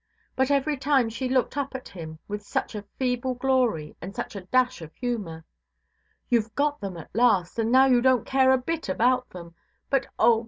But every time she looked up at him with such a feeble glory, and such a dash of humour,—"Youʼve got them at last, and now you donʼt care a bit about them; but oh!